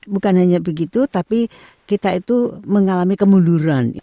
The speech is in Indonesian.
bukan hanya begitu tapi kita itu mengalami kemunduran